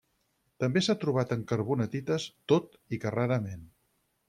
També s'ha trobat en carbonatites, tot i que rarament.